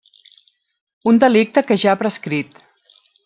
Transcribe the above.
Un delicte que ja ha prescrit.